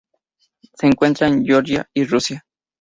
Se encuentra en Georgia y Rusia.